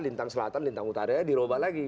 lintang selatan lintang utaranya di rubah lagi